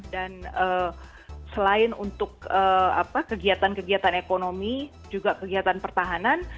selain untuk kegiatan kegiatan ekonomi juga kegiatan pertahanan